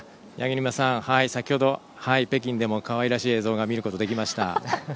八木沼さん、先ほど北京でも、かわいらしい映像を見ることができました。